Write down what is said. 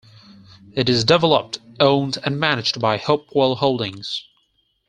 It is developed, owned and managed by Hopewell Holdings.